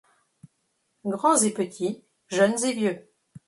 Grands et petits, jeunes et vieux